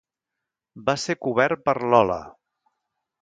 Va ser cobert per l'"¡Hola!"